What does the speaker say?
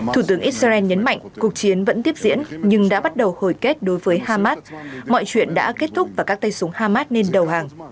thủ tướng israel nhấn mạnh cuộc chiến vẫn tiếp diễn nhưng đã bắt đầu hồi kết đối với hamas mọi chuyện đã kết thúc và các tay súng hamas nên đầu hàng